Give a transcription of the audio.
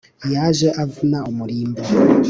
yaje avuna umurimbo